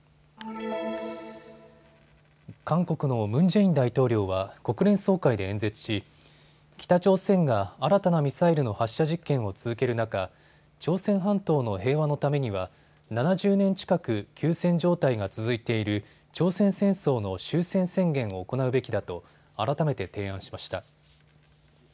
韓国のムン・ジェイン大統領は国連総会で演説し北朝鮮が新たなミサイルの発射実験を続ける中、朝鮮半島の平和のためには７０年近く休戦状態が続いている朝鮮戦争の終戦宣言を行うべきだと改めて提案しました。